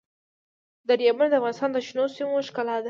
دریابونه د افغانستان د شنو سیمو ښکلا ده.